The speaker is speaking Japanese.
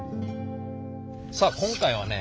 さあ今回はね